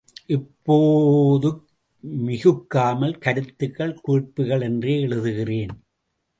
இப்போது க் மிகுக்காமல், கருத்துகள் குறிப்புகள் என்றே எழுதுகிறேன்.